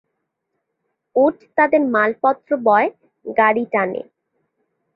উট তাদের মালপত্র বয়, গাড়ি টানে।